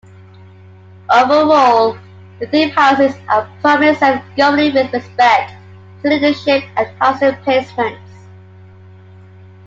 Overall, the theme houses are primarily self-governing with respect to leadership and housing placements.